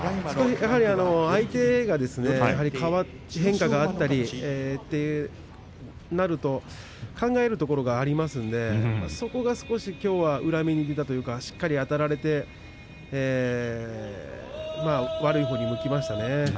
相手が変わって変化があったりとなると考えるところがありますのでそこがきょうは裏目に出たというか、しっかり抱えられて悪いほうにもきましたね。